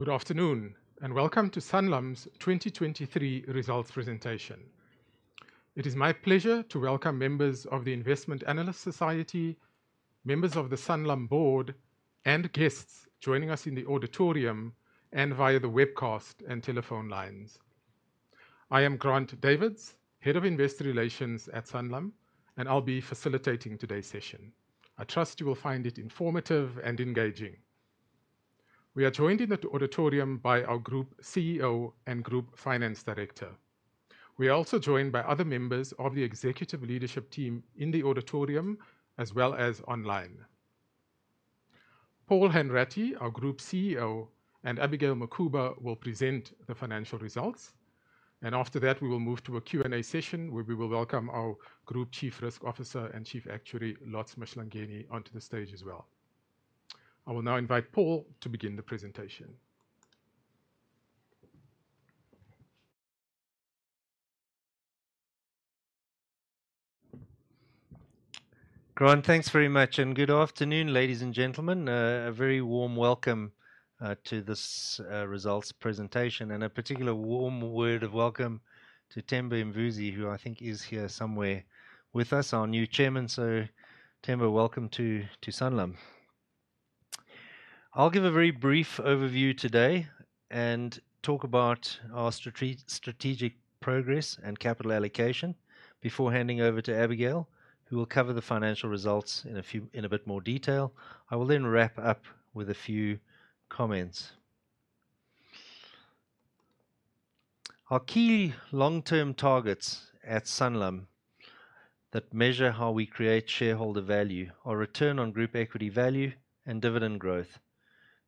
Good afternoon and welcome to Sanlam's 2023 results presentation. It is my pleasure to welcome members of the Investment Analysts Society, members of the Sanlam Board, and guests joining us in the auditorium and via the webcast and telephone lines. I am Grant Davids, Head of Investor Relations at Sanlam, and I'll be facilitating today's session. I trust you will find it informative and engaging. We are joined in the auditorium by our Group CEO and Group Finance Director. We are also joined by other members of the Executive Leadership Team in the auditorium as well as online. Paul Hanratty, our Group CEO, and Abigail Mukhuba will present the financial results, and after that we will move to a Q&A session where we will welcome our Group Chief Risk Officer and Chief Actuary Lotz Mahlangeni onto the stage as well. I will now invite Paul to begin the presentation. Grant, thanks very much, and good afternoon, ladies and gentlemen. A very warm welcome to this results presentation, and a particular warm word of welcome to Temba Mvusi, who I think is here somewhere with us, our new Chairman. So Temba, welcome to, to Sanlam. I'll give a very brief overview today and talk about our strategic progress and capital allocation before handing over to Abigail, who will cover the financial results in a few in a bit more detail. I will then wrap up with a few comments. Our key long-term targets at Sanlam that measure how we create shareholder value are Return on Group Equity Value and dividend growth.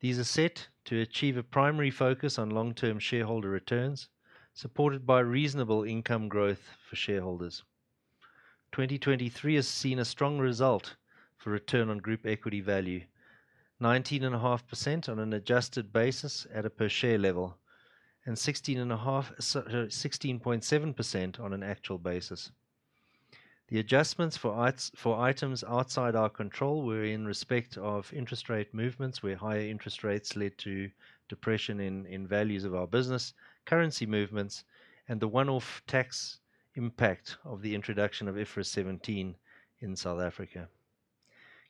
These are set to achieve a primary focus on long-term shareholder returns supported by reasonable income growth for shareholders. 2023 has seen a strong result for Return on Group Equity Value, 19.5% on an adjusted basis at a per share level, and 16.5% sorry, 16.7% on an actual basis. The adjustments for items outside our control were in respect of interest rate movements where higher interest rates led to depression in values of our business, currency movements, and the one-off tax impact of the introduction of IFRS 17 in South Africa.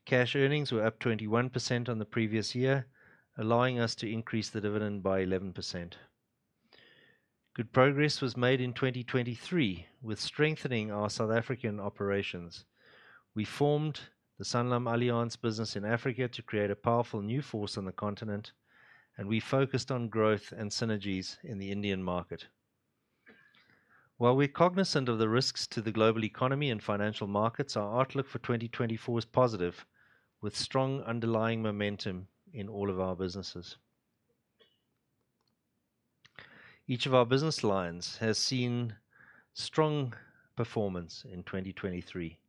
Cash earnings were up 21% on the previous year, allowing us to increase the dividend by 11%. Good progress was made in 2023 with strengthening our South African operations. We formed the SanlamAllianz business in Africa to create a powerful new force on the continent, and we focused on growth and synergies in the Indian market. While we're cognizant of the risks to the global economy and financial markets, our outlook for 2024 is positive with strong underlying momentum in all of our businesses. Each of our business lines has seen strong performance in 2023.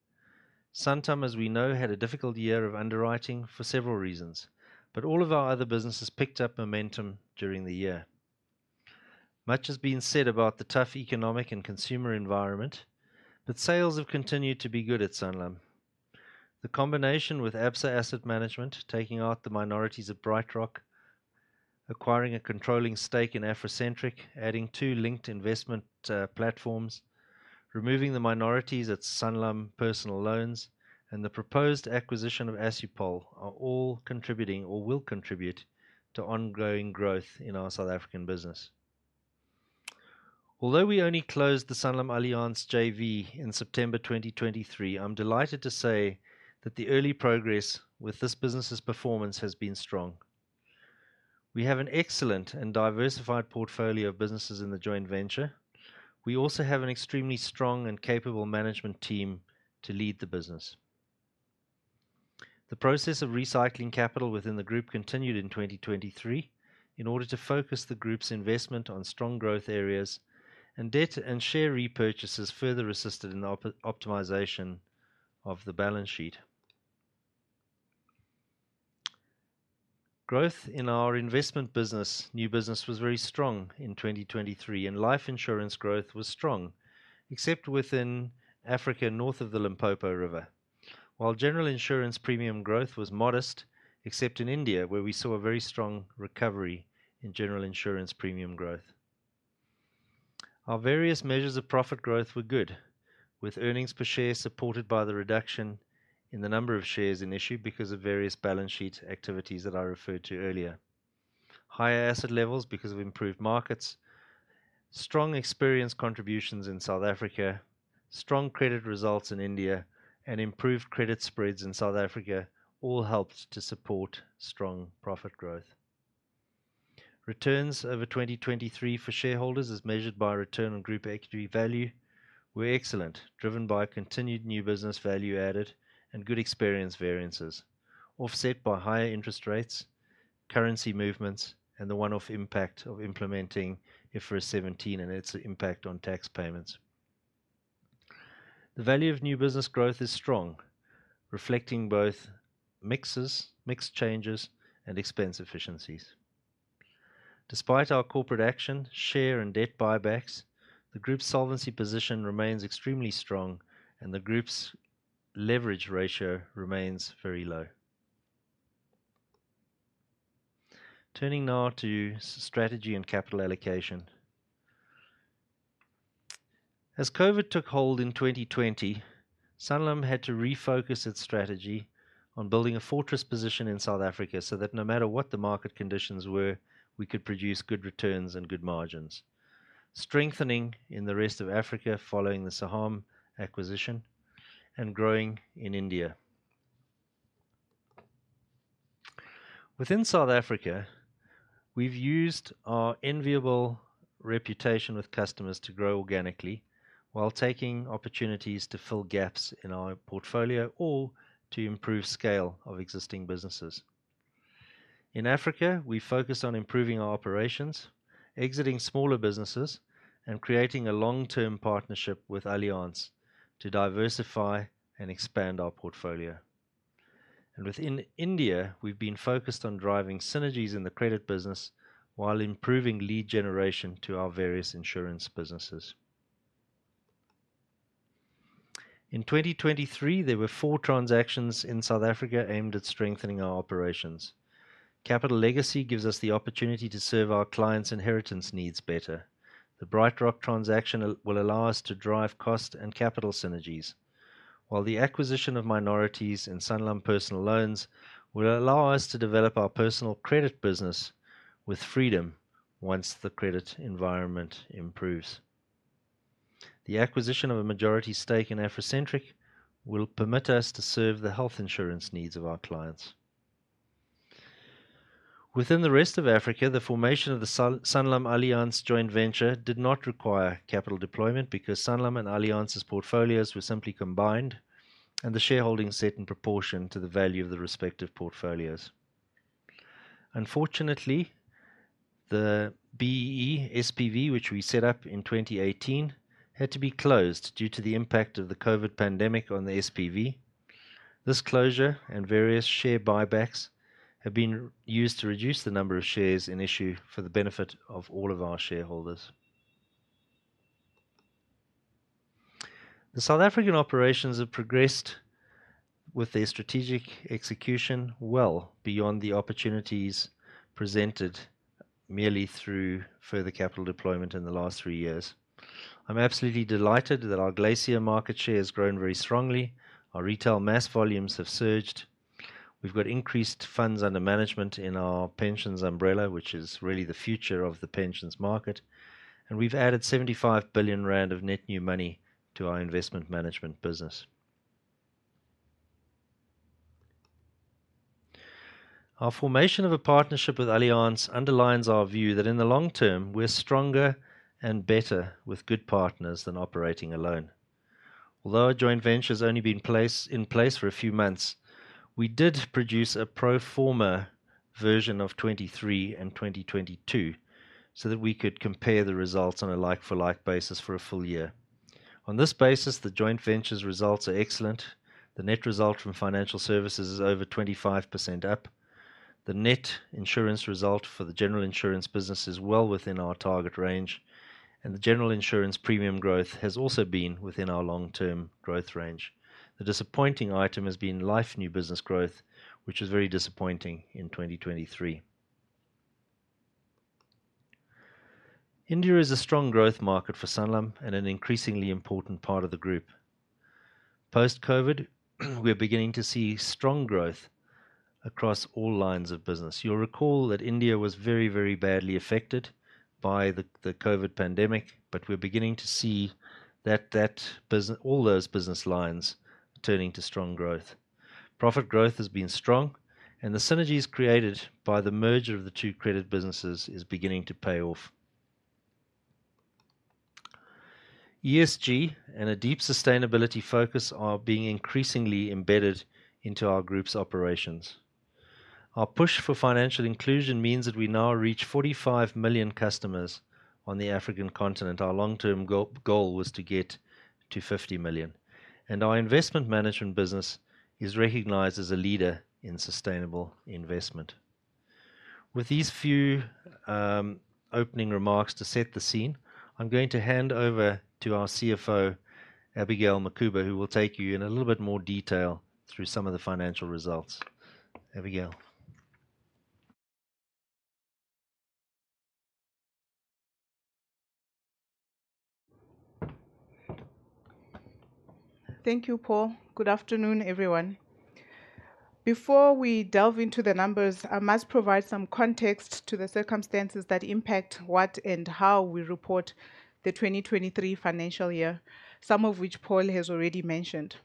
Santam, as we know, had a difficult year of underwriting for several reasons, but all of our other businesses picked up momentum during the year. Much has been said about the tough economic and consumer environment, but sales have continued to be good at Sanlam. The combination with Absa Asset Management taking out the minorities at BrightRock, acquiring a controlling stake in AfroCentric, adding two linked investment platforms, removing the minorities at Sanlam Personal Loans, and the proposed acquisition of Assupol are all contributing or will contribute to ongoing growth in our South African business. Although we only closed the SanlamAllianz JV in September 2023, I'm delighted to say that the early progress with this business's performance has been strong. We have an excellent and diversified portfolio of businesses in the joint venture. We also have an extremely strong and capable management team to lead the business. The process of recycling capital within the group continued in 2023 in order to focus the group's investment on strong growth areas, and debt and share repurchases further assisted in the optimization of the balance sheet. Growth in our investment business, new business, was very strong in 2023, and life insurance growth was strong except within Africa north of the Limpopo River. While general insurance premium growth was modest except in India where we saw a very strong recovery in general insurance premium growth. Our various measures of profit growth were good with earnings per share supported by the reduction in the number of shares in issue because of various balance sheet activities that I referred to earlier. Higher asset levels because of improved markets, strong experience contributions in South Africa, strong credit results in India, and improved credit spreads in South Africa all helped to support strong profit growth. Returns over 2023 for shareholders as measured by return on group equity value were excellent driven by continued new business value added and good experience variances, offset by higher interest rates, currency movements, and the one-off impact of implementing IFRS 17 and its impact on tax payments. The value of new business growth is strong reflecting both mixes, mixed changes, and expense efficiencies. Despite our corporate action, share, and debt buybacks, the group's solvency position remains extremely strong, and the group's leverage ratio remains very low. Turning now to strategy and capital allocation. As COVID took hold in 2020, Sanlam had to refocus its strategy on building a fortress position in South Africa so that no matter what the market conditions were, we could produce good returns and good margins. Strengthening in the rest of Africa following the Saham acquisition and growing in India. Within South Africa, we've used our enviable reputation with customers to grow organically while taking opportunities to fill gaps in our portfolio or to improve scale of existing businesses. In Africa, we focus on improving our operations, exiting smaller businesses, and creating a long-term partnership with Allianz to diversify and expand our portfolio. Within India, we've been focused on driving synergies in the credit business while improving lead generation to our various insurance businesses. In 2023, there were four transactions in South Africa aimed at strengthening our operations. Capital Legacy gives us the opportunity to serve our clients' inheritance needs better. The BrightRock transaction will allow us to drive cost and capital synergies. While the acquisition of minorities in Sanlam Personal Loans will allow us to develop our personal credit business with freedom once the credit environment improves. The acquisition of a majority stake in AfroCentric will permit us to serve the health insurance needs of our clients. Within the rest of Africa, the formation of the SanlamAllianz joint venture did not require capital deployment because Sanlam and Allianz's portfolios were simply combined, and the shareholdings set in proportion to the value of the respective portfolios. Unfortunately, the BEE SPV, which we set up in 2018, had to be closed due to the impact of the COVID pandemic on the SPV. This closure and various share buybacks have been used to reduce the number of shares in issue for the benefit of all of our shareholders. The South African operations have progressed with their strategic execution well beyond the opportunities presented merely through further capital deployment in the last three years. I'm absolutely delighted that our Glacier market share has grown very strongly. Our retail mass volumes have surged. We've got increased funds under management in our pensions umbrella, which is really the future of the pensions market. And we've added 75 billion rand of net new money to our investment management business. Our formation of a partnership with Allianz underlines our view that in the long term, we're stronger and better with good partners than operating alone. Although our joint venture's only been placed in place for a few months, we did produce a pro forma version of 2023 and 2022 so that we could compare the results on a like-for-like basis for a full year. On this basis, the joint venture's results are excellent. The net result from financial services is over 25% up. The net insurance result for the general insurance business is well within our target range, and the general insurance premium growth has also been within our long-term growth range. The disappointing item has been life new business growth, which was very disappointing in 2023. India is a strong growth market for Sanlam and an increasingly important part of the group. Post-COVID, we're beginning to see strong growth across all lines of business. You'll recall that India was very, very badly affected by the COVID pandemic, but we're beginning to see that business all those business lines turning to strong growth. Profit growth has been strong, and the synergies created by the merger of the two credit businesses are beginning to pay off. ESG and a deep sustainability focus are being increasingly embedded into our group's operations. Our push for financial inclusion means that we now reach 45 million customers on the African continent. Our long-term goal was to get to 50 million. And our investment management business is recognized as a leader in sustainable investment. With these few opening remarks to set the scene, I'm going to hand over to our CFO, Abigail Mukhuba, who will take you in a little bit more detail through some of the financial results. Abigail. Thank you, Paul. Good afternoon, everyone. Before we delve into the numbers, I must provide some context to the circumstances that impact what and how we report the 2023 financial year, some of which Paul has already mentioned.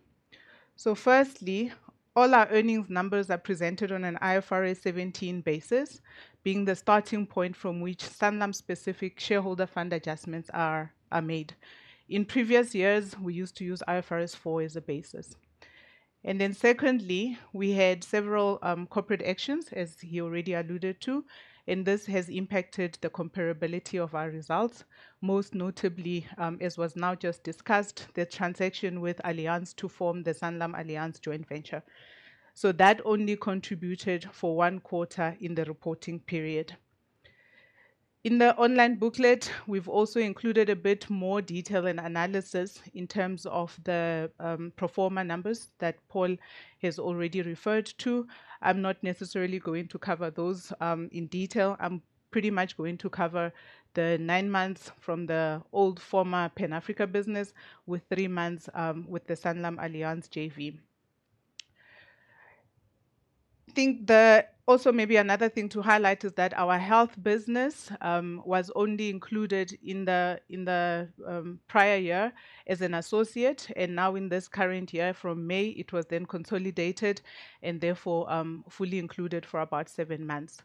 Firstly, all our earnings numbers are presented on an IFRS 17 basis, being the starting point from which Sanlam-specific shareholder fund adjustments are made. In previous years, we used to use IFRS 4 as a basis. And then secondly, we had several corporate actions, as he already alluded to, and this has impacted the comparability of our results, most notably, as was now just discussed, the transaction with Allianz to form the SanlamAllianz joint venture. So that only contributed for one quarter in the reporting period. In the online booklet, we've also included a bit more detail and analysis in terms of the pro forma numbers that Paul has already referred to. I'm not necessarily going to cover those in detail. I'm pretty much going to cover the nine months from the old former Pan-African business with three months with the SanlamAllianz JV. I think the also maybe another thing to highlight is that our health business was only included in the prior year as an associate, and now in this current year from May, it was then consolidated and therefore fully included for about seven months.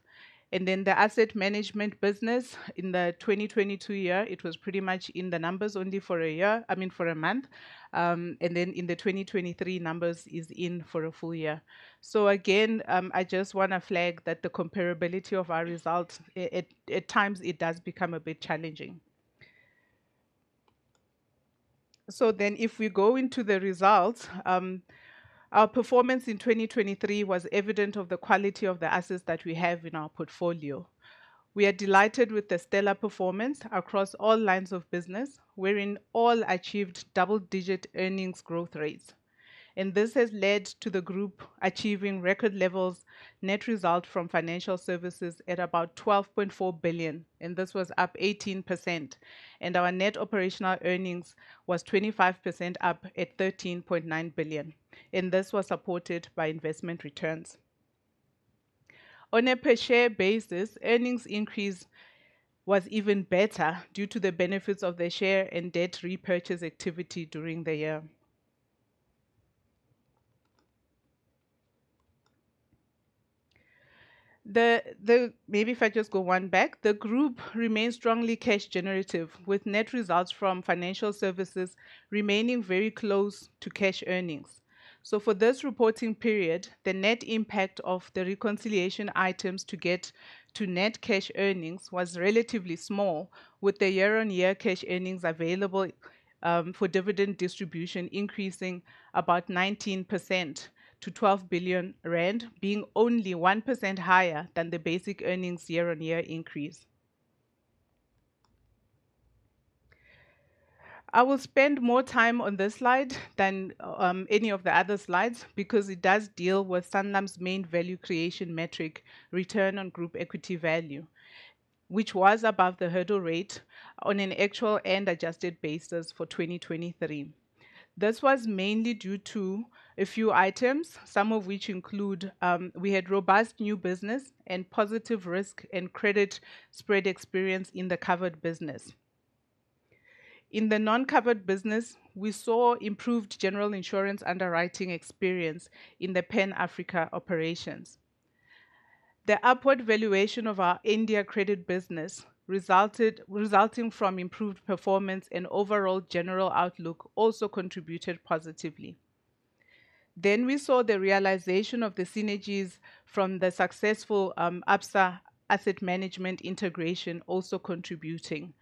And then the asset management business in the 2022 year, it was pretty much in the numbers only for a year, I mean, for a month, and then in the 2023 numbers is in for a full year. So again, I just wanna flag that the comparability of our results, at, at times it does become a bit challenging. So then if we go into the results, our performance in 2023 was evident of the quality of the assets that we have in our portfolio. We are delighted with the stellar performance across all lines of business, wherein all achieved double-digit earnings growth rates. And this has led to the group achieving record levels net result from financial services at about 12.4 billion, and this was up 18%. And our net operational earnings were 25% up at 13.9 billion, and this was supported by investment returns. On a per-share basis, earnings increase was even better due to the benefits of the share and debt repurchase activity during the year. The group remains strongly cash generative with net results from financial services remaining very close to cash earnings. So for this reporting period, the net impact of the reconciliation items to get to net cash earnings was relatively small with the year-on-year cash earnings available for dividend distribution increasing about 19% to 12 billion rand, being only 1% higher than the basic earnings year-on-year increase. I will spend more time on this slide than any of the other slides because it does deal with Sanlam's main value creation metric, return on group equity value, which was above the hurdle rate on an actual and adjusted basis for 2023. This was mainly due to a few items, some of which include we had robust new business and positive risk and credit spread experience in the covered business. In the non-covered business, we saw improved general insurance underwriting experience in the Pan-African operations. The upward valuation of our India credit business resulting from improved performance and overall general outlook also contributed positively. Then we saw the realization of the synergies from the successful Absa Asset Management integration also contributing.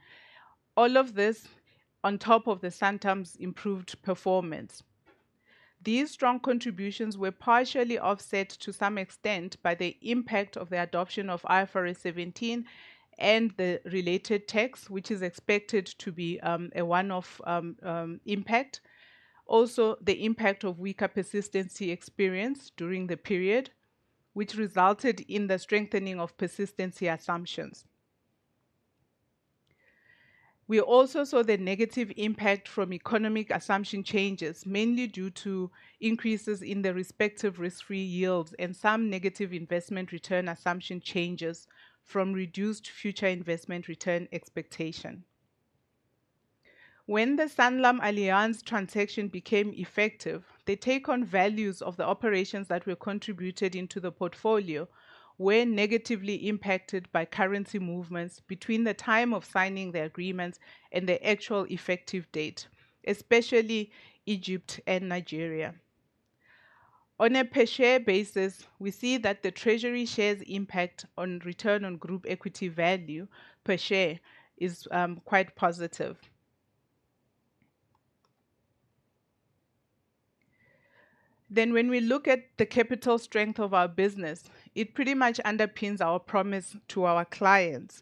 All of this on top of the Santam’s improved performance. These strong contributions were partially offset to some extent by the impact of the adoption of IFRS 17 and the related tests, which is expected to be a one-off impact. Also, the impact of weaker persistency experience during the period, which resulted in the strengthening of persistency assumptions. We also saw the negative impact from economic assumption changes, mainly due to increases in the respective risk-free yields and some negative investment return assumption changes from reduced future investment return expectation. When the SanlamAllianz transaction became effective, the take-home values of the operations that were contributed into the portfolio were negatively impacted by currency movements between the time of signing the agreements and the actual effective date, especially Egypt and Nigeria. On a per-share basis, we see that the treasury shares' impact on return on group equity value per share is quite positive. Then when we look at the capital strength of our business, it pretty much underpins our promise to our clients.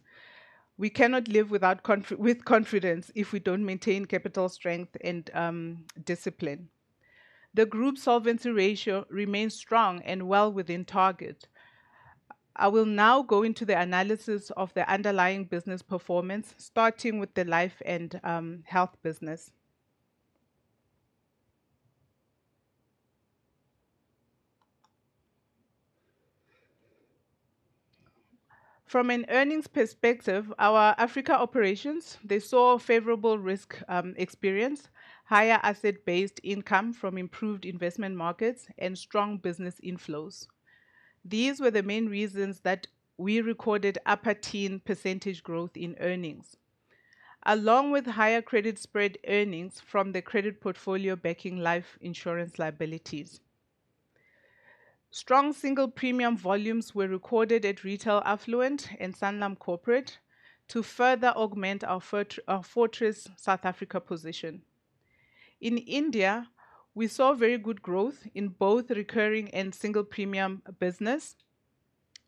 We cannot live without confidence if we don't maintain capital strength and discipline. The group solvency ratio remains strong and well within target. I will now go into the analysis of the underlying business performance, starting with the life and health business. From an earnings perspective, our Africa operations, they saw favorable risk experience, higher asset-based income from improved investment markets, and strong business inflows. These were the main reasons that we recorded upper-teen percentage growth in earnings, along with higher credit spread earnings from the credit portfolio backing life insurance liabilities. Strong single premium volumes were recorded at Retail Affluent and Sanlam Corporate to further augment our Fortress South Africa position. In India, we saw very good growth in both recurring and single premium business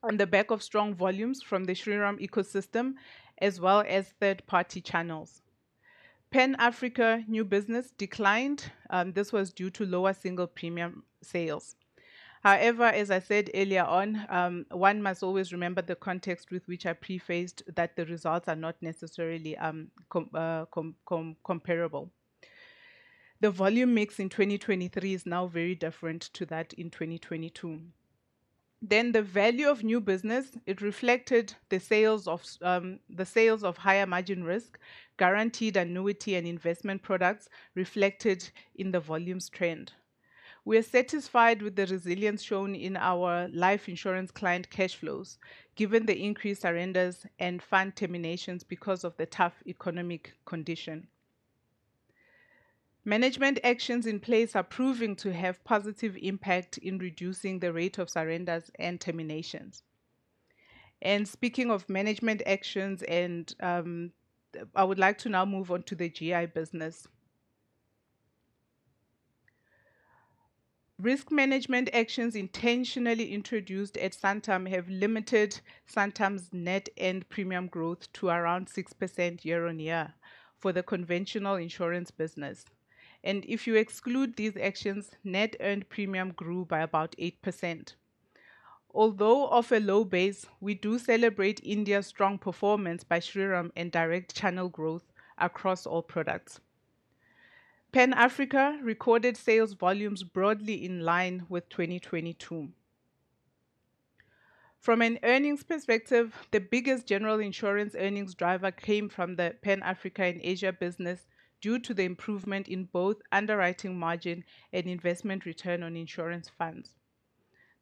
on the back of strong volumes from the Shriram ecosystem as well as third-party channels. Pan-African new business declined. This was due to lower single premium sales. However, as I said earlier on, one must always remember the context with which I prefaced that the results are not necessarily comparable. The volume mix in 2023 is now very different to that in 2022. Then the value of new business reflected the sales of higher margin risk, guaranteed annuity, and investment products reflected in the volumes trend. We are satisfied with the resilience shown in our life insurance client cash flows, given the increased surrenders and fund terminations because of the tough economic condition. Management actions in place are proving to have positive impact in reducing the rate of surrenders and terminations. Speaking of management actions, I would like to now move on to the GI business. Risk management actions intentionally introduced at Santam have limited Santam's net earned premium growth to around 6% year-on-year for the conventional insurance business. If you exclude these actions, net earned premium grew by about 8%. Although off a low base, we do celebrate India's strong performance by Shriram and direct channel growth across all products. Pan-African recorded sales volumes broadly in line with 2022. From an earnings perspective, the biggest general insurance earnings driver came from the Pan-African and Asia business due to the improvement in both underwriting margin and investment return on insurance funds.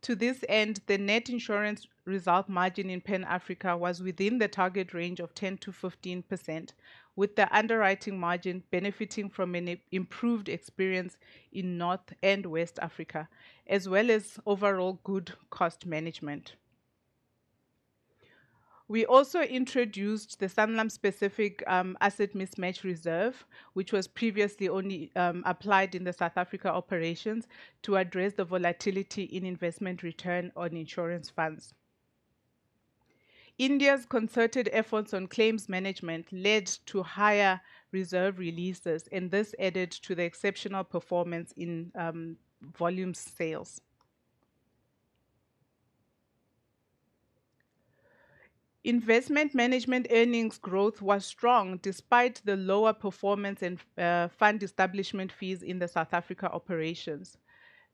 To this end, the net insurance result margin in Pan-African was within the target range of 10%-15%, with the underwriting margin benefiting from an improved experience in North and West Africa, as well as overall good cost management. We also introduced the Sanlam-specific asset mismatch reserve, which was previously only applied in the South Africa operations to address the volatility in investment return on insurance funds. India's concerted efforts on claims management led to higher reserve releases, and this added to the exceptional performance in volume sales. Investment management earnings growth was strong despite the lower performance and fund establishment fees in the South Africa operations.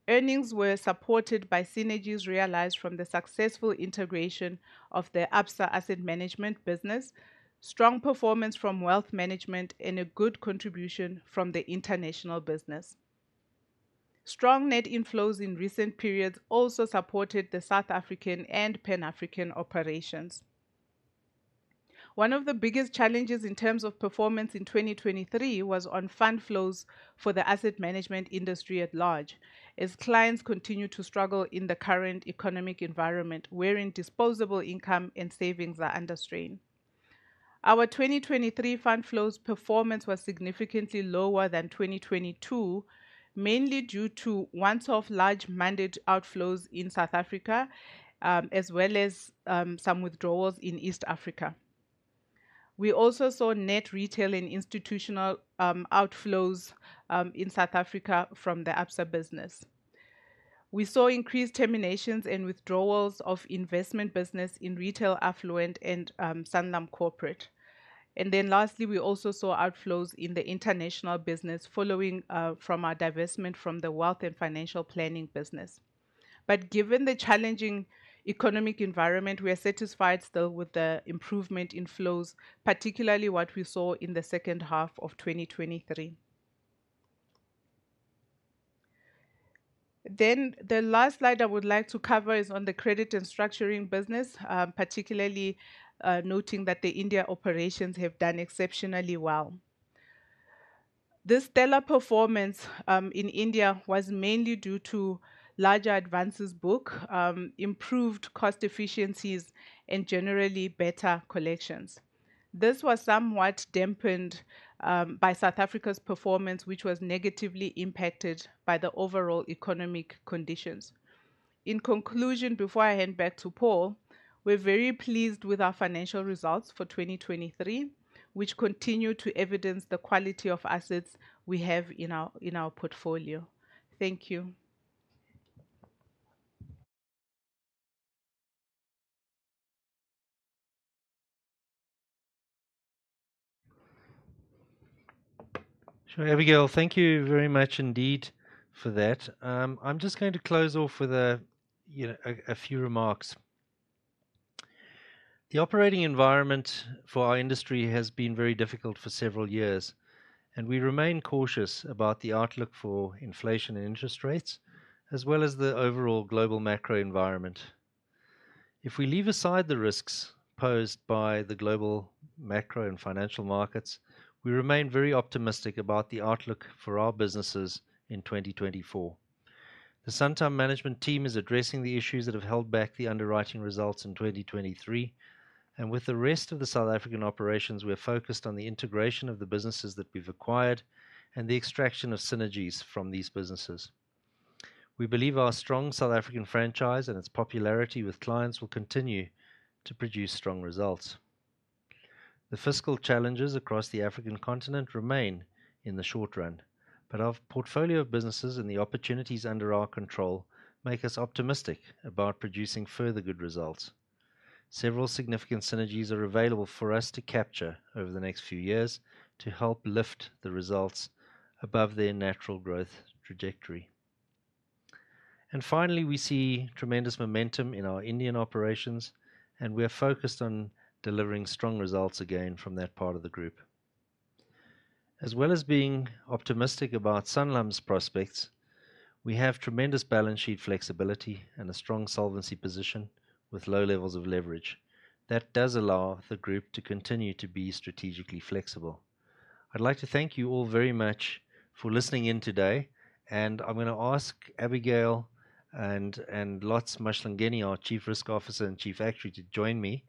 Earnings were supported by synergies realized from the successful integration of the Absa Asset Management business, strong performance from Wealth Management, and a good contribution from the international business. Strong net inflows in recent periods also supported the South African and Pan-African operations. One of the biggest challenges in terms of performance in 2023 was on fund flows for the asset management industry at large, as clients continue to struggle in the current economic environment wherein disposable income and savings are under strain. Our 2023 fund flows performance was significantly lower than 2022, mainly due to once-off large mandate outflows in South Africa, as well as some withdrawals in East Africa. We also saw net retail and institutional outflows in South Africa from the Absa business. We saw increased terminations and withdrawals of investment business in Retail Affluent and Sanlam Corporate. And then lastly, we also saw outflows in the international business following from our divestment from the wealth and financial planning business. But given the challenging economic environment, we are satisfied still with the improvement in flows, particularly what we saw in the second half of 2023. Then the last slide I would like to cover is on the credit and structuring business, particularly noting that the India operations have done exceptionally well. This stellar performance in India was mainly due to larger advances book, improved cost efficiencies, and generally better collections. This was somewhat dampened by South Africa's performance, which was negatively impacted by the overall economic conditions. In conclusion, before I hand back to Paul, we're very pleased with our financial results for 2023, which continue to evidence the quality of assets we have in our portfolio. Thank you. Sure, Abigail, thank you very much indeed for that. I'm just going to close off with a, you know, a few remarks. The operating environment for our industry has been very difficult for several years, and we remain cautious about the outlook for inflation and interest rates, as well as the overall global macro environment. If we leave aside the risks posed by the global macro and financial markets, we remain very optimistic about the outlook for our businesses in 2024. The Santam management team is addressing the issues that have held back the underwriting results in 2023, and with the rest of the South African operations, we are focused on the integration of the businesses that we've acquired and the extraction of synergies from these businesses. We believe our strong South African franchise and its popularity with clients will continue to produce strong results. The fiscal challenges across the African continent remain in the short run, but our portfolio of businesses and the opportunities under our control make us optimistic about producing further good results. Several significant synergies are available for us to capture over the next few years to help lift the results above their natural growth trajectory. And finally, we see tremendous momentum in our Indian operations, and we are focused on delivering strong results again from that part of the group. As well as being optimistic about Sanlam's prospects, we have tremendous balance sheet flexibility and a strong solvency position with low levels of leverage. That does allow the group to continue to be strategically flexible. I'd like to thank you all very much for listening in today, and I'm going to ask Abigail and Lotz Mahlangeni, our Chief Risk Officer and Chief Actuary, to join me,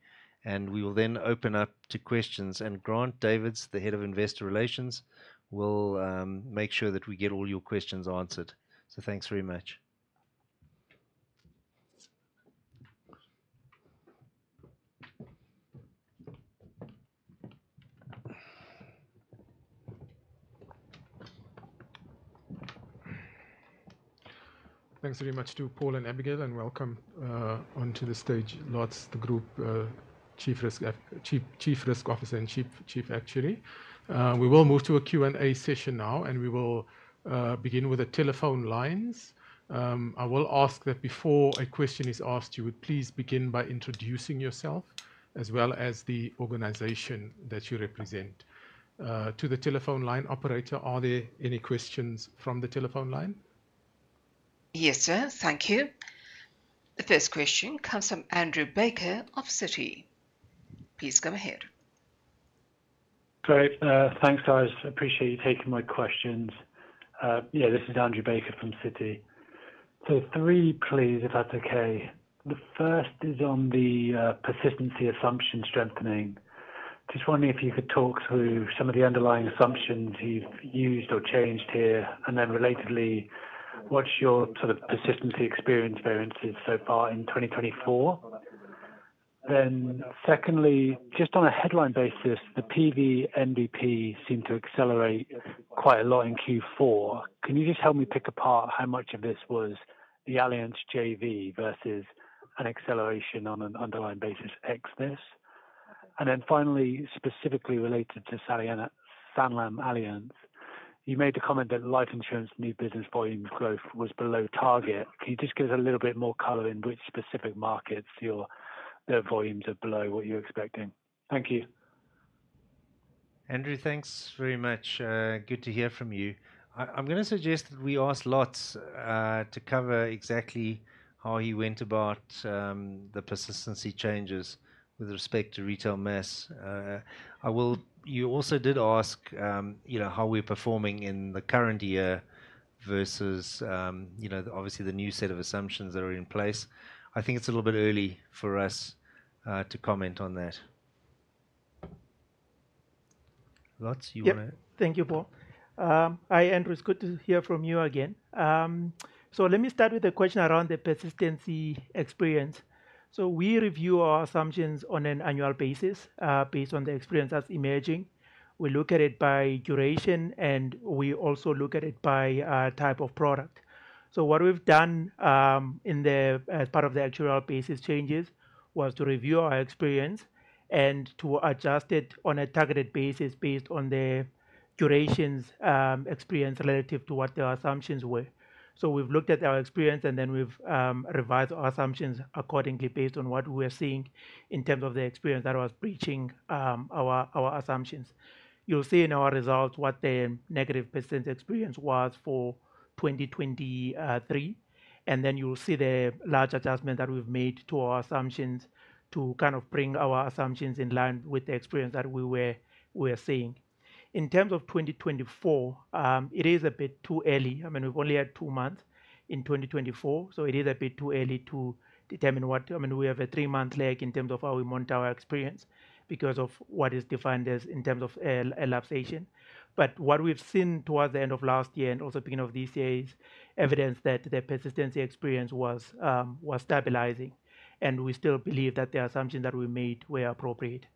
and we will then open up to questions. And Grant Davids, the Head of Investor Relations, will make sure that we get all your questions answered. So thanks very much. Thanks very much to Paul and Abigail, and welcome onto the stage, Lotz, the Group Chief Risk Officer and Chief Actuary. We will move to a Q&A session now, and we will begin with the telephone lines. I will ask that before a question is asked, you would please begin by introducing yourself as well as the organization that you represent. To the telephone line operator, are there any questions from the telephone line? Yes, sir. Thank you. The first question comes from Andrew Baker of Citi. Please come ahead. Great. Thanks, guys. Appreciate you taking my questions. Yeah, this is Andrew Baker from Citi. So three, please, if that's okay. The first is on the persistency assumption strengthening. Just wondering if you could talk through some of the underlying assumptions you've used or changed here, and then relatedly, what's your sort of persistency experience variances so far in 2024? Then secondly, just on a headline basis, the PVNBP seemed to accelerate quite a lot in Q4. Can you just help me pick apart how much of this was the SanlamAllianz JV versus an acceleration on an underlying basis ex this? And then finally, specifically related to SanlamAllianz, you made the comment that life insurance new business volumes growth was below target. Can you just give us a little bit more color in which specific markets the volumes are below what you're expecting? Thank you. Andrew, thanks very much. Good to hear from you. I'm going to suggest that we ask Lotz to cover exactly how he went about the persistency changes with respect to Retail Mass. You also did ask how we're performing in the current year versus obviously the new set of assumptions that are in place. I think it's a little bit early for us to comment on that. Lotz, you want to? Yeah, thank you, Paul. Hi, Andrew. It's good to hear from you again. So let me start with a question around the persistency experience. So we review our assumptions on an annual basis based on the experience that's emerging. We look at it by duration, and we also look at it by type of product. So what we've done as part of the actual basis changes was to review our experience and to adjust it on a targeted basis based on the durations experience relative to what the assumptions were. So we've looked at our experience, and then we've revised our assumptions accordingly based on what we were seeing in terms of the experience that was breaching our assumptions. You'll see in our results what the negative percentage experience was for 2023, and then you'll see the large adjustment that we've made to our assumptions to kind of bring our assumptions in line with the experience that we were seeing. In terms of 2024, it is a bit too early. I mean, we've only had two months in 2024, so it is a bit too early to determine what I mean, we have a three-month lag in terms of how we monitor our experience because of what is defined as in terms of lapsation. But what we've seen towards the end of last year and also beginning of this year is evidence that the persistency experience was stabilizing, and we still believe that the assumptions that we made were appropriate.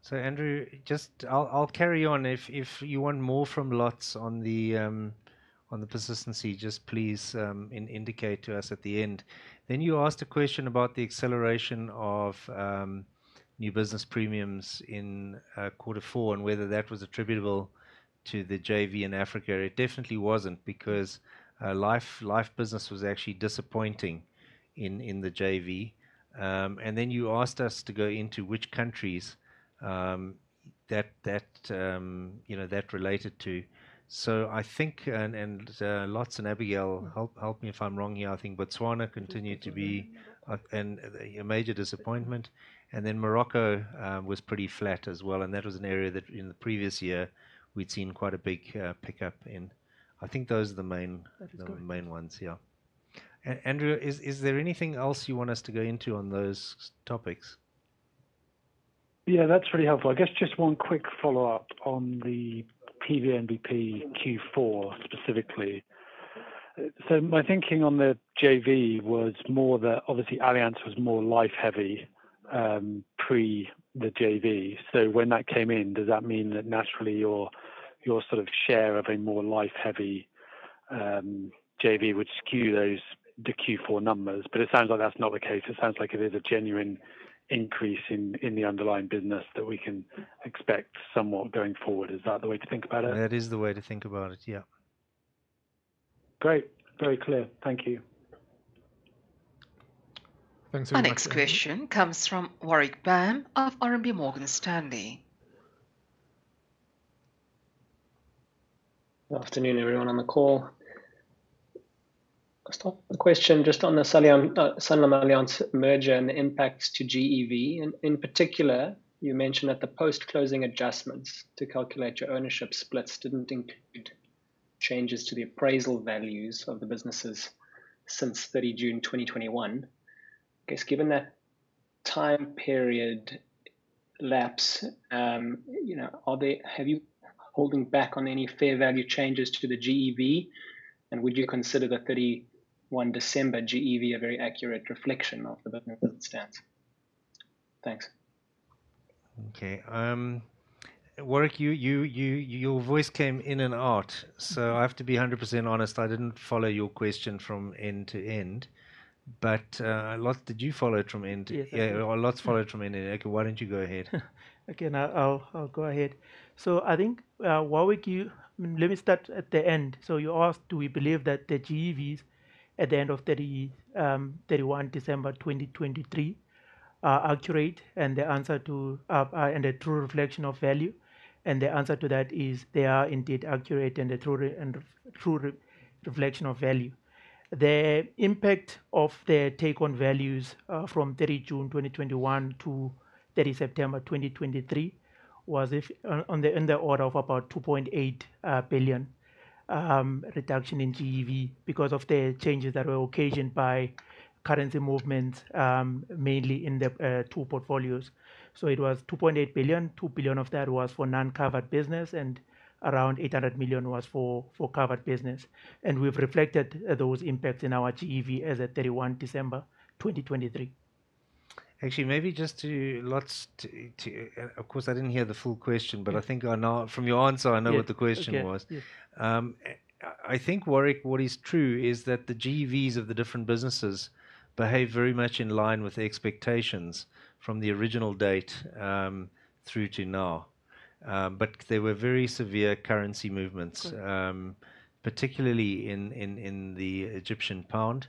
So Andrew, just I'll carry on. If you want more from Lotz on the persistency, just please indicate to us at the end. Then you asked a question about the acceleration of new business premiums in quarter four and whether that was attributable to the JV in Africa. It definitely wasn't because life business was actually disappointing in the JV. And then you asked us to go into which countries that related to. So I think and Lotz and Abigail, help me if I'm wrong here, I think Botswana continued to be a major disappointment. And then Morocco was pretty flat as well, and that was an area that in the previous year, we'd seen quite a big pickup in. I think those are the main ones, yeah. Andrew, is there anything else you want us to go into on those topics? Yeah, that's pretty helpful. I guess just one quick follow-up on the PVNBP Q4 specifically. So, my thinking on the JV was more that obviously Allianz was more life-heavy pre the JV. So, when that came in, does that mean that naturally your sort of share of a more life-heavy JV would skew the Q4 numbers? But it sounds like that's not the case. It sounds like it is a genuine increase in the underlying business that we can expect somewhat going forward. Is that the way to think about it? That is the way to think about it, yeah. Great. Very clear. Thank you. Thanks very much. Our next question comes from Warwick Bam of RMB Morgan Stanley. Good afternoon, everyone on the call. I'll start with the question just on the SanlamAllianz merger and the impacts to GEV. In particular, you mentioned that the post-closing adjustments to calculate your ownership splits didn't include changes to the appraisal values of the businesses since 30 June 2021. I guess given that time period lapse, are they? Have you holding back on any fair value changes to the GEV, and would you consider the 31 December GEV a very accurate reflection of the business as it stands? Thanks. Okay. Warwick, your voice came in and out, so I have to be 100% honest. I didn't follow your question from end to end. But Lotz, did you follow it from end to end? Yeah, Lotz followed it from end to end. Okay, why don't you go ahead? Okay, I'll go ahead. So, I think Warwick, you let me start at the end. So, you asked, do we believe that the GEVs at the end of 31 December 2023 are accurate and the answer to and a true reflection of value? And the answer to that is they are indeed accurate and a true reflection of value. The impact of their take-on values from 30 June 2021 to 30 September 2023 was in the order of about 2.8 billion reduction in GEV because of the changes that were occasioned by currency movements, mainly in the two portfolios. So, it was 2.8 billion. 2 billion of that was for non-covered business, and around 800 million was for covered business. And we've reflected those impacts in our GEV as of 31 December 2023. Actually, maybe just to Lotz, of course, I didn't hear the full question, but I think I know from your answer, I know what the question was. I think, Warwick, what is true is that the GEVs of the different businesses behave very much in line with expectations from the original date through to now. But there were very severe currency movements, particularly in the Egyptian pound.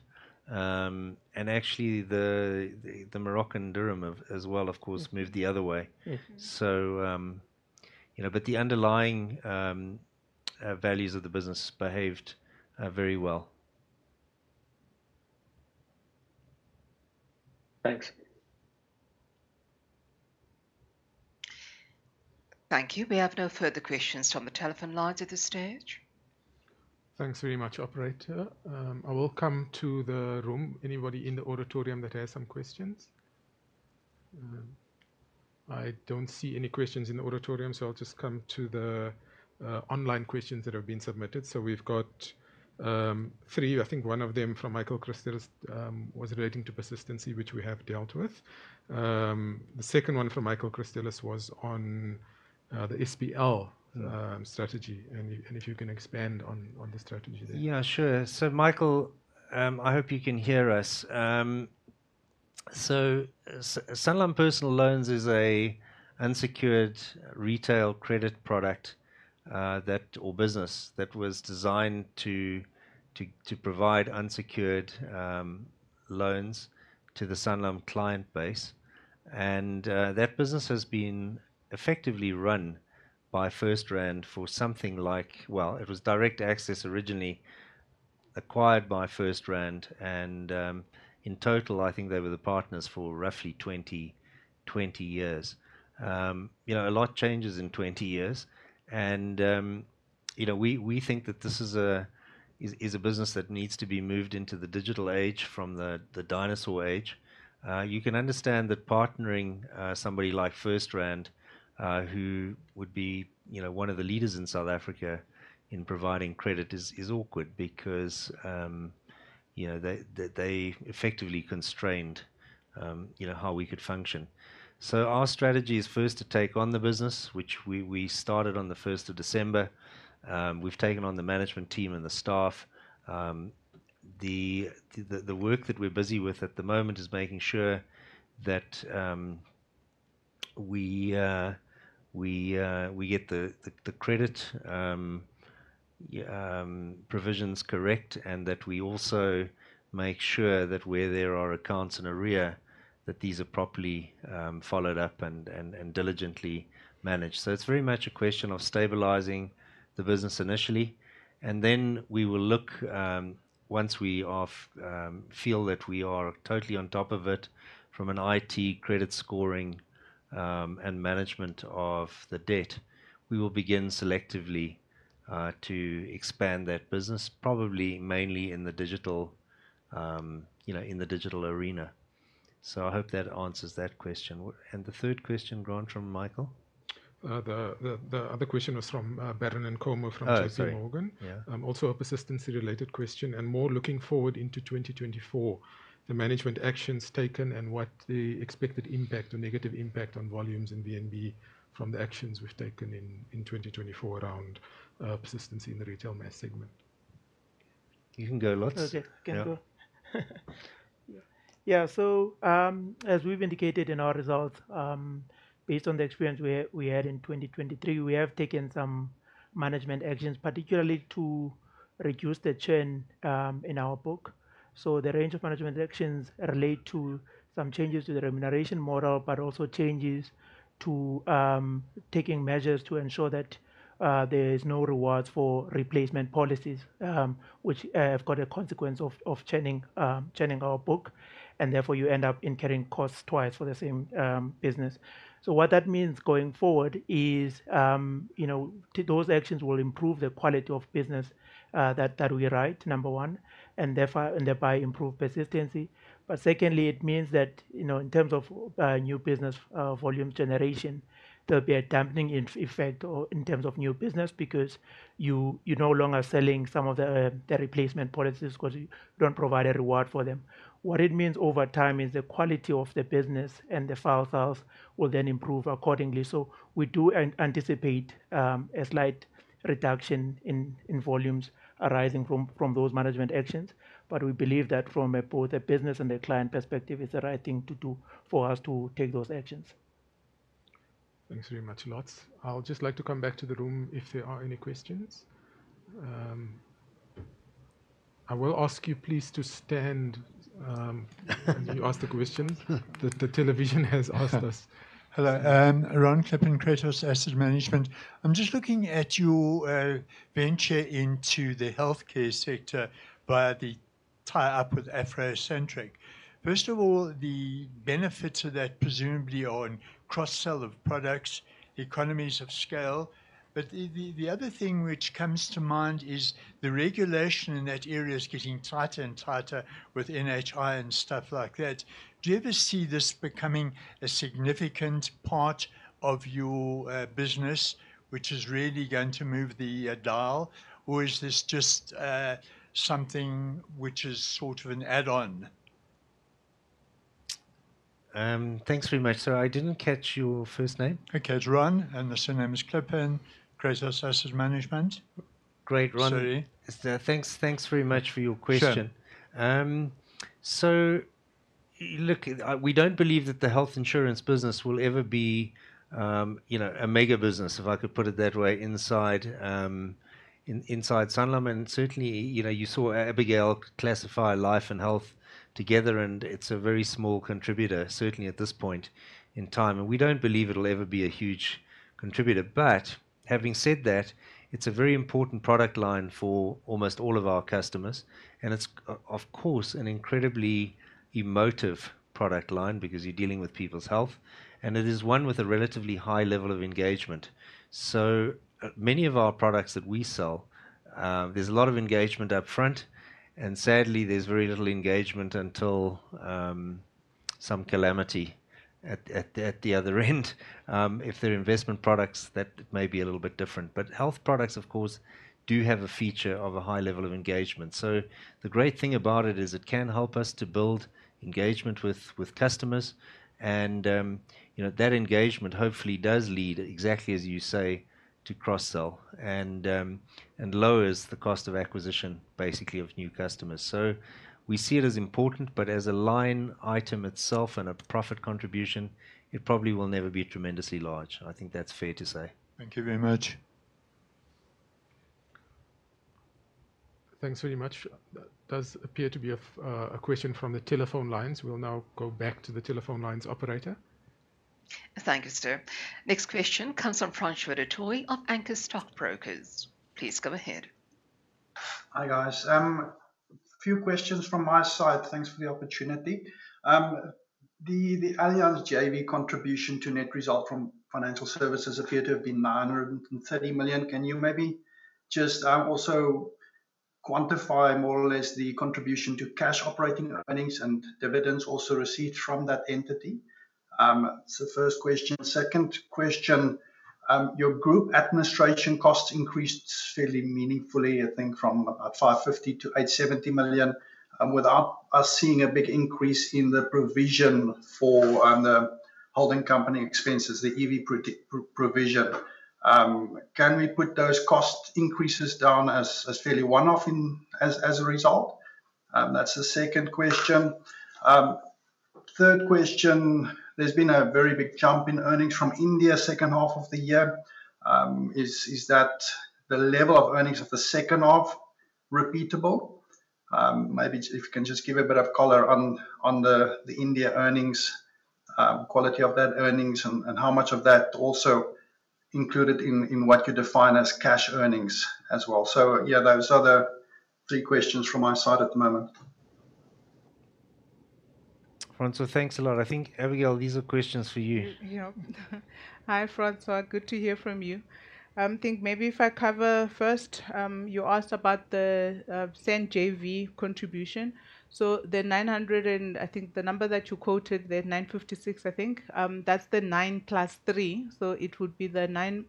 And actually, the Moroccan dirham as well, of course, moved the other way. But the underlying values of the business behaved very well. Thanks. Thank you. We have no further questions from the telephone lines at this stage. Thanks very much, operator. I will come to the room. Anybody in the auditorium that has some questions? I don't see any questions in the auditorium, so I'll just come to the online questions that have been submitted. We've got three. I think one of them from Michael Christelis was relating to persistency, which we have dealt with. The second one from Michael Christelis was on the SPL strategy. And if you can expand on the strategy there. Yeah, sure. So Michael, I hope you can hear us. So Sanlam Personal Loans is an unsecured retail credit product or business that was designed to provide unsecured loans to the Sanlam client base. And that business has been effectively run by FirstRand for something like well, it was DirectAxis originally acquired by FirstRand. And in total, I think they were the partners for roughly 20 years. A lot changes in 20 years. We think that this is a business that needs to be moved into the digital age from the dinosaur age. You can understand that partnering somebody like FirstRand, who would be one of the leaders in South Africa in providing credit, is awkward because they effectively constrained how we could function. So our strategy is first to take on the business, which we started on the 1st of December. We've taken on the management team and the staff. The work that we're busy with at the moment is making sure that we get the credit provisions correct and that we also make sure that where there are accounts in arrears, that these are properly followed up and diligently managed. So it's very much a question of stabilizing the business initially. And then we will look once we feel that we are totally on top of it from an IT credit scoring and management of the debt, we will begin selectively to expand that business, probably mainly in the digital arena. So I hope that answers that question. And the third question, Grant, from Michael? The other question was from Baron and Comu from J.P. Morgan. Also a persistency-related question and more looking forward into 2024, the management actions taken and what the expected impact or negative impact on volumes in VNB from the actions we've taken in 2024 around persistency in the Retail Mass segment. You can go, Lotz. Okay, can go. Yeah. So as we've indicated in our results, based on the experience we had in 2023, we have taken some management actions, particularly to reduce the churn in our book. So the range of management actions relate to some changes to the remuneration model but also changes to taking measures to ensure that there is no rewards for replacement policies, which have got a consequence of churning our book. And therefore, you end up incurring costs twice for the same business. So, what that means going forward is those actions will improve the quality of business that we write, number one, and thereby improve persistency. But secondly, it means that in terms of new business volume generation, there'll be a dampening effect in terms of new business because you're no longer selling some of the replacement policies because you don't provide a reward for them. What it means over time is the quality of the business and the file sales will then improve accordingly. So we do anticipate a slight reduction in volumes arising from those management actions. But we believe that from both a business and a client perspective, it's the right thing to do for us to take those actions. Thanks very much, Lotz. I'll just like to come back to the room if there are any questions. I will ask you please to stand when you ask the questions. The television has asked us. Hello. Ron Klipin, Cratos Asset Management. I'm just looking at your venture into the healthcare sector via the tie-up with AfroCentric. First of all, the benefits of that presumably on cross-sell of products, economies of scale. But the other thing which comes to mind is the regulation in that area is getting tighter and tighter with NHI and stuff like that. Do you ever see this becoming a significant part of your business, which is really going to move the dial? Or is this just something which is sort of an add-on? Thanks very much. So I didn't catch your first name. Okay. It's Ron, and the surname is Klipin, Cratos Asset Management. Great, Ron. Sorry. Thanks very much for your question. So look, we don't believe that the health insurance business will ever be a mega business, if I could put it that way, inside Sanlam. And certainly, you saw Abigail classify life and health together, and it's a very small contributor, certainly at this point in time. And we don't believe it'll ever be a huge contributor. But having said that, it's a very important product line for almost all of our customers. And it's, of course, an incredibly emotive product line because you're dealing with people's health. And it is one with a relatively high level of engagement. So many of our products that we sell, there's a lot of engagement upfront. Sadly, there's very little engagement until some calamity at the other end. If they're investment products, that may be a little bit different. Health products, of course, do have a feature of a high level of engagement. The great thing about it is it can help us to build engagement with customers. That engagement hopefully does lead, exactly as you say, to cross-sell and lowers the cost of acquisition, basically, of new customers. We see it as important, but as a line item itself and a profit contribution, it probably will never be tremendously large. I think that's fair to say. Thank you very much. Thanks very much. That does appear to be a question from the telephone lines. We'll now go back to the telephone lines operator. Thank you, sir. Next question comes from Francois du Toit of Anchor Stockbrokers. Please go ahead. Hi, guys. A few questions from my side. Thanks for the opportunity. The Allianz GEV contribution to net result from financial services appear to have been 930 million. Can you maybe just also quantify more or less the contribution to cash operating earnings and dividends also received from that entity? That's the first question. Second question, your group administration costs increased fairly meaningfully, I think, from about 550 million-870 million without us seeing a big increase in the provision for the holding company expenses, the EV provision. Can we put those cost increases down as fairly one-off as a result? That's the second question. Third question, there's been a very big jump in earnings from India second half of the year. Is the level of earnings of the second half repeatable? Maybe if you can just give a bit of color on the India earnings, quality of that earnings, and how much of that also included in what you define as cash earnings as well. So yeah, those are the three questions from my side at the moment. Francois, thanks a lot. I think, Abigail, these are questions for you. Yeah. Hi, Francois. Good to hear from you. I think maybe if I cover first, you asked about the San JV contribution. So the 900 and I think the number that you quoted, the 956, I think, that's the nine + three. So it would be the nine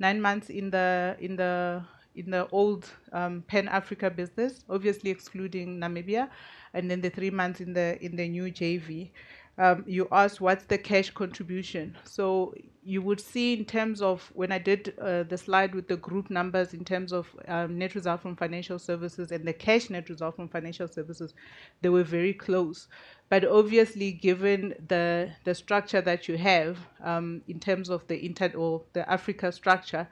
months in the old Pan-Africa business, obviously excluding Namibia, and then the three months in the new JV. You asked, what's the cash contribution? So you would see in terms of when I did the slide with the group numbers in terms of Net Result from Financial Services and the cash Net Result from Financial Services, they were very close. But obviously, given the structure that you have in terms of the Africa structure,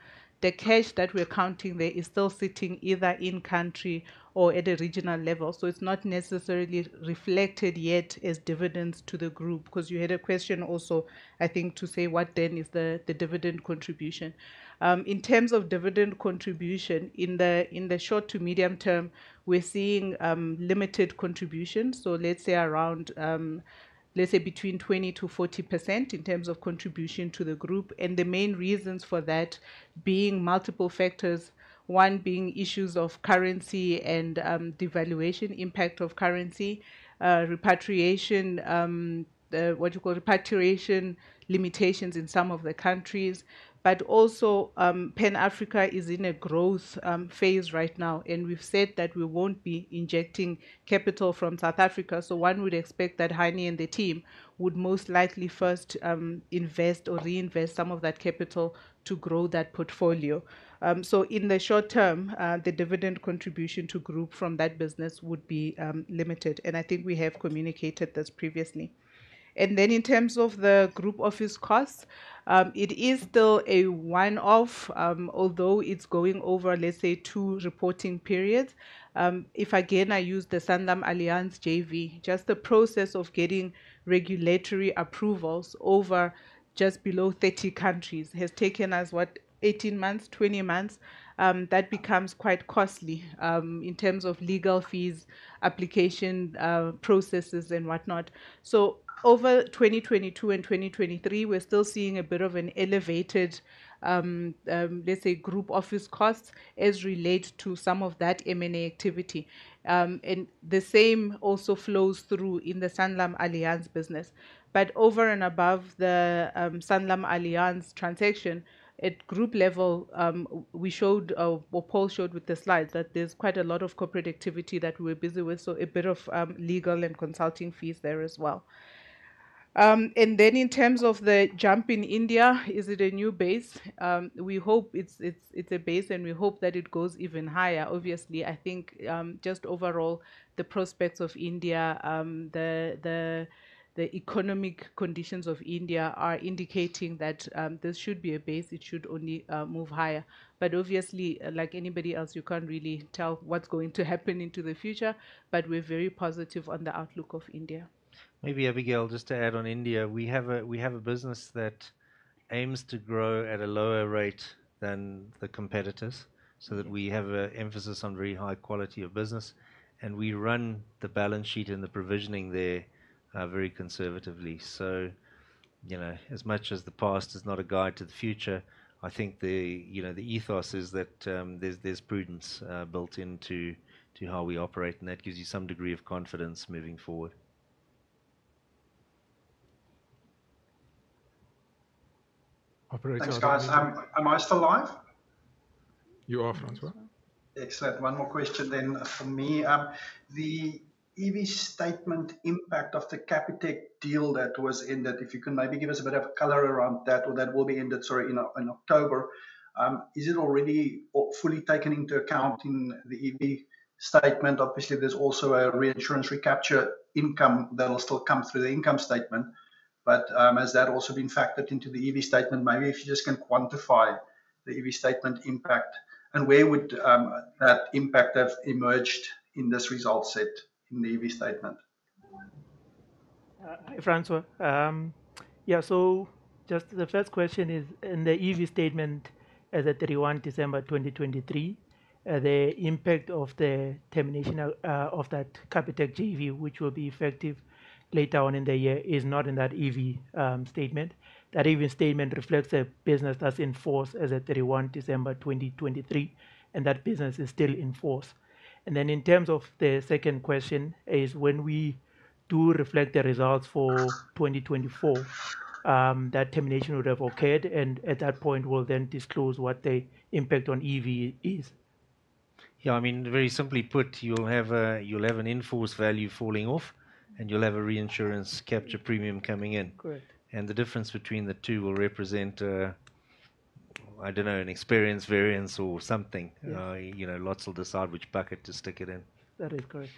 the cash that we're counting there is still sitting either in-country or at a regional level. So it's not necessarily reflected yet as dividends to the group because you had a question also, I think, to say what then is the dividend contribution. In terms of dividend contribution, in the short to medium term, we're seeing limited contributions. So let's say around, let's say, between 20%-40% in terms of contribution to the group. The main reasons for that being multiple factors, one being issues of currency and devaluation, impact of currency, repatriation, what you call repatriation limitations in some of the countries. But also, Pan-Africa is in a growth phase right now. We've said that we won't be injecting capital from South Africa. One would expect that Heinie and the team would most likely first invest or reinvest some of that capital to grow that portfolio. In the short term, the dividend contribution to group from that business would be limited. I think we have communicated this previously. Then in terms of the group office costs, it is still a one-off, although it's going over, let's say, two reporting periods. If again I use the SanlamAllianz JV, just the process of getting regulatory approvals over just below 30 countries has taken us, what, 18 months, 20 months? That becomes quite costly in terms of legal fees, application processes, and whatnot. So over 2022 and 2023, we're still seeing a bit of an elevated, let's say, group office costs as relate to some of that M&A activity. And the same also flows through in the SanlamAllianz business. But over and above the SanlamAllianz transaction, at group level, we showed or Paul showed with the slides that there's quite a lot of corporate activity that we're busy with, so a bit of legal and consulting fees there as well. And then in terms of the jump in India, is it a new base? We hope it's a base, and we hope that it goes even higher. Obviously, I think just overall, the prospects of India, the economic conditions of India are indicating that this should be a base. It should only move higher. But obviously, like anybody else, you can't really tell what's going to happen into the future. But we're very positive on the outlook of India. Maybe, Abigail, just to add on India, we have a business that aims to grow at a lower rate than the competitors so that we have an emphasis on very high quality of business. And we run the balance sheet and the provisioning there very conservatively. So as much as the past is not a guide to the future, I think the ethos is that there's prudence built into how we operate. And that gives you some degree of confidence moving forward. Operator. Thanks, guys. Am I still live? You are, Francois. Excellent. One more question then for me. The EV statement impact of the Capitec deal that was ended, if you can maybe give us a bit of color around that, or that will be ended, sorry, in October, is it already fully taken into account in the EV statement? Obviously, there's also a reinsurance recapture income that'll still come through the income statement. But has that also been factored into the EV statement? Maybe if you just can quantify the EV statement impact. And where would that impact have emerged in this result set in the EV statement? Hi, Francois. Yeah. So just the first question is, in the EV statement as at 31 December 2023, the impact of the termination of that Capitec JV, which will be effective later on in the year, is not in that EV statement. That EV statement reflects a business that's in force as at 31 December 2023. That business is still in force. Then in terms of the second question, when we do reflect the results for 2024, that termination would have occurred. And at that point, we'll then disclose what the impact on EV is. Yeah. I mean, very simply put, you'll have an in-force value falling off, and you'll have a reinsurance capture premium coming in. And the difference between the two will represent, I don't know, an experience variance or something. Lotz will decide which bucket to stick it in. That is correct.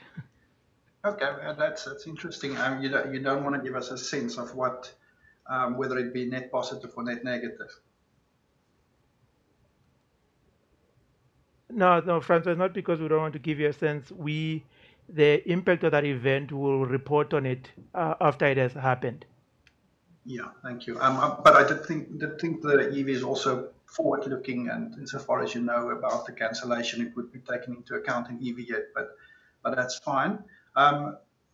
Okay. That's interesting. You don't want to give us a sense of whether it'd be net positive or net negative? No, no, Francois, not because we don't want to give you a sense. The impact of that event will report on it after it has happened. Yeah. Thank you. But I did think the EV is also forward-looking. And insofar as you know about the cancellation, it would be taken into account in EV yet. But that's fine.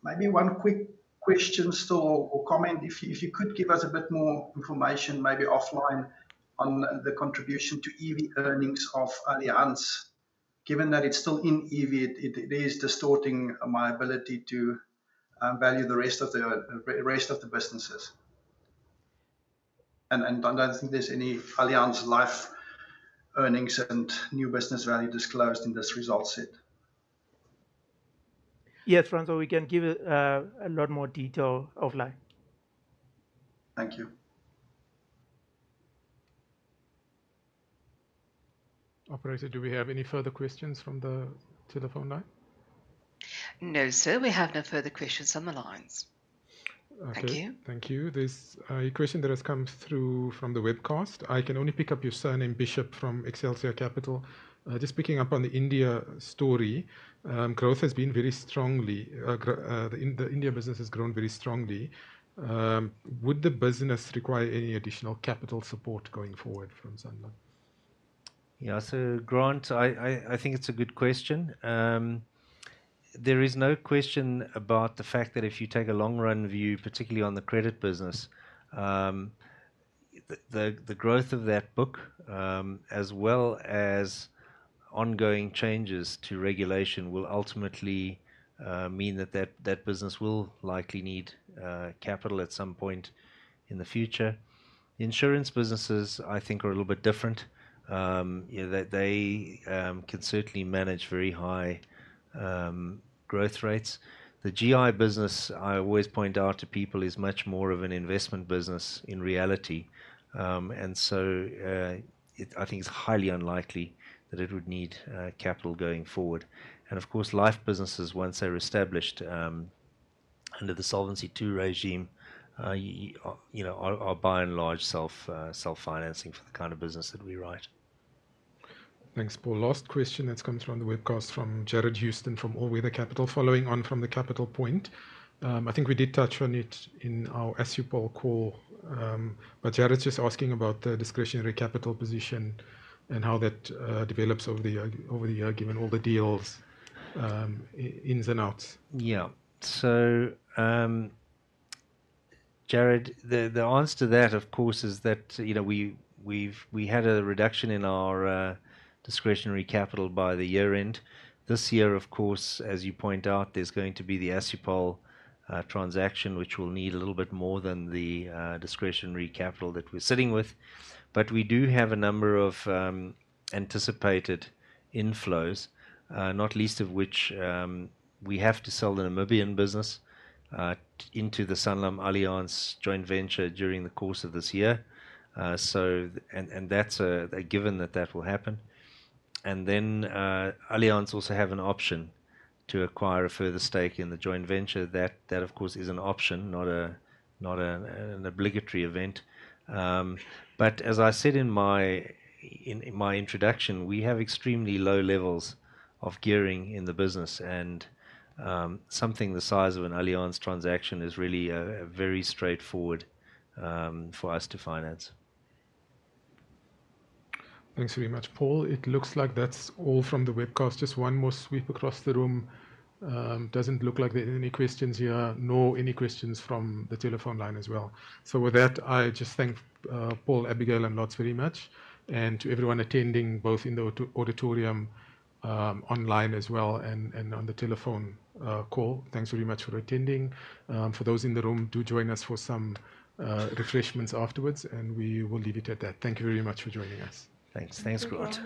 Maybe one quick question still or comment. If you could give us a bit more information, maybe offline, on the contribution to EV earnings of Allianz. Given that it's still in EV, it is distorting my ability to value the rest of the rest of the businesses. And I don't think there's any Allianz life earnings and new business value disclosed in this result set. Yes, Francois, we can give a lot more detail offline. Thank you. Operator, do we have any further questions from the telephone line? No, sir. We have no further questions on the lines. Thank you. Thank you. There's a question that has come through from the webcast. I can only pick up your surname, Bishop, from Excelsia Capital. Just picking up on the India story, growth has been very strongly the India business has grown very strongly. Would the business require any additional capital support going forward from Sanlam? Yeah. So Grant, I think it's a good question. There is no question about the fact that if you take a long-run view, particularly on the credit business, the growth of that book, as well as ongoing changes to regulation, will ultimately mean that that business will likely need capital at some point in the future. Insurance businesses, I think, are a little bit different. They can certainly manage very high growth rates. The GI business, I always point out to people, is much more of an investment business in reality. And so I think it's highly unlikely that it would need capital going forward. And of course, life businesses, once they're established under the Solvency II regime, are by and large self-financing for the kind of business that we write. Thanks, Paul. Last question that's come through on the webcast from Jarred Houston from All Weather Capital, following on from the capital point. I think we did touch on it in our Assupol call. But Jarred's just asking about the discretionary capital position and how that develops over the year given all the deals, ins and outs. Yeah. So Jarred, the answer to that, of course, is that we had a reduction in our discretionary capital by the year-end. This year, of course, as you point out, there's going to be the Assupol transaction, which will need a little bit more than the discretionary capital that we're sitting with. But we do have a number of anticipated inflows, not least of which we have to sell the Namibian business into the SanlamAllianz joint venture during the course of this year. And that's a given that that will happen. And then Allianz also have an option to acquire a further stake in the joint venture. That, of course, is an option, not an obligatory event. But as I said in my introduction, we have extremely low levels of gearing in the business. And something the size of an Allianz transaction is really very straightforward for us to finance. Thanks very much, Paul. It looks like that's all from the webcast. Just one more sweep across the room. Doesn't look like there are any questions here, nor any questions from the telephone line as well. So with that, I just thank Paul, Abigail, and Lotz very much. And to everyone attending, both in the auditorium online as well and on the telephone call, thanks very much for attending. For those in the room, do join us for some refreshments afterwards. And we will leave it at that. Thank you very much for joining us. Thanks. Thanks, Grant.